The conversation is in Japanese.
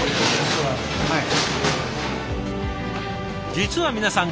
実は皆さん